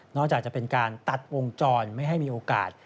จะเป็นการตัดวงจรไม่ให้มีโอกาส